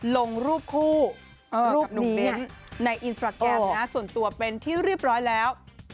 ลงรูปคู่รูปนี้ในอินสตราแกรมนะส่วนตัวเป็นที่เรียบร้อยแล้ว